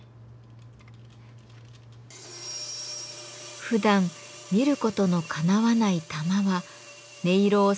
ふだん見ることのかなわない玉は音色を左右する鈴の要。